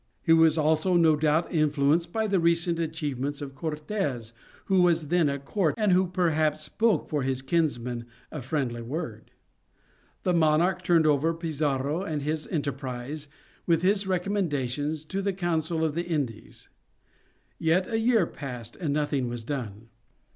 He was also, no doubt influenced by the recent achievements of Cortes, who was then at court, and who perhaps spoke for his kinsman a friendly word. The monarch turned over Pizarro and his enterprise, with his recommendation, to the Council of the Indies. Yet a year passed, and nothing was done.